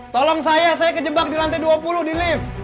tolong saya saya kejebak di lantai dua puluh di lift